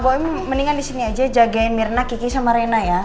boy mendingan di sini aja jagain mirna kiki sama rena ya